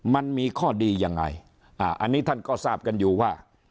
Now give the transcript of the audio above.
มันมีข้อดียังไงอันนี้ท่านก็ทราบกันอยู่ว่า